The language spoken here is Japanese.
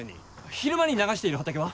昼間に流している畑は？